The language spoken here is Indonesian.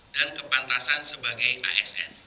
dan kepantasan sebagai ayat